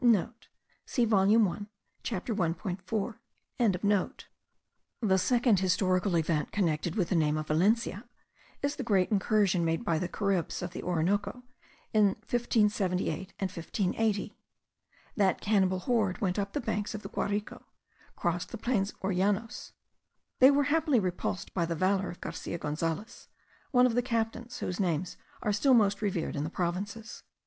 *(* See volume 1 chapter 1.4.) The second historical event connected with the name of Valencia is the great incursion made by the Caribs of the Orinoco in 1578 and 1580. That cannibal horde went up the banks of the Guarico, crossing the plains or llanos. They were happily repulsed by the valour of Garcia Gonzales, one of the captains whose names are still most revered in those provinces.